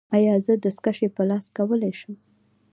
ایا زه دستکشې په لاس کولی شم؟